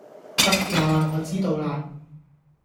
得喇我知道喇